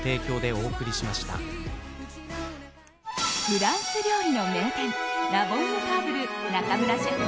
フランス料理の名店ラ・ボンヌターブル中村シェフ